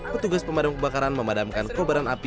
petugas pemadam kebakaran memadamkan kobaran api